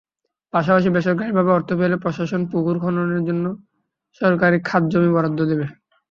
পাশাপাশি বেসরকারিভাবে অর্থ পেলে প্রশাসন পুকুর খননের জন্য সরকারি খাসজমি বরাদ্দ দেবে।